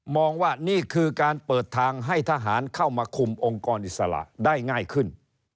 ว่านี่คือการเปิดทางให้ทหารเข้ามาคุมองค์กรอิสระได้ง่ายขึ้น